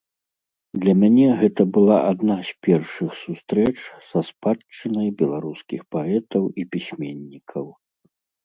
Для мяне гэта была адна з першых сустрэч са спадчынай беларускіх паэтаў і пісьменнікаў.